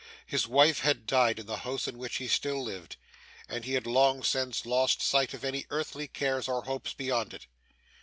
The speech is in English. His wife had died in the house in which he still lived, and he had long since lost sight of any earthly cares or hopes beyond it.